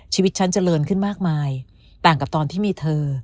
ชีวิตฉันเจริญขึ้นมากมายต่างกับตอนที่มีเธอ